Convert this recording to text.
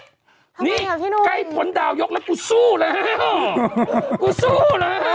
ทำไมอะพี่หนุ่มใครผนดาวยกกูสู้เลย